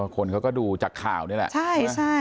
คนเขาก็ดูจากข่าวนี่แหละ